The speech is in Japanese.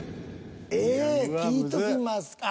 Ａ聞いときますか。